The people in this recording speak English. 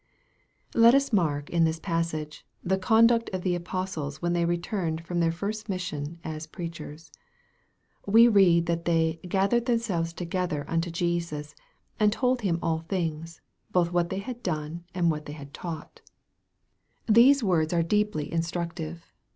LET us mark in this passage, the conduct of the apostles when they returned from their first mission as preachers. We read that they " gathered themselves together unto Jesus, and told Him all things, both what they had done, and what they had taught." MARK, CHAP. VI. 123 Thesf words are deeply instructive.